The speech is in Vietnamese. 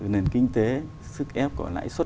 nền kinh tế sức ép của lãi suất